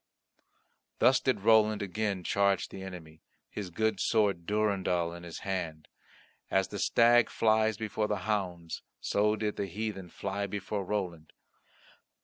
Thus did Roland again charge the enemy, his good sword Durendal in his hand; as the stag flies before the hounds, so did the heathen fly before Roland.